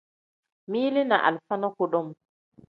Mili ni alifa ni kudum.